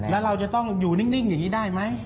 แล้วเราจะต้องอยู่นิ่งอย่างนี้ได้ไหม